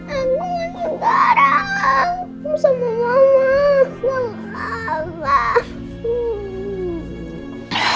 aku mau sekarang sama mama sama bapak